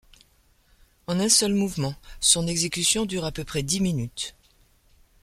En un seul mouvement, son exécution dure à peu près dix minutes.